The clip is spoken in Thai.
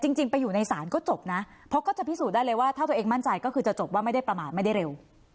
จริงไปอยู่ในศาลก็จบนะเพราะก็จะพิสูจนได้เลยว่าถ้าตัวเองมั่นใจก็คือจะจบว่าไม่ได้ประมาทไม่ได้เร็ว